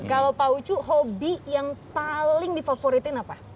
kalau pak ucu hobi yang paling difavoritin apa